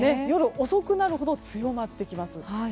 夜遅くなるほど強まってきます。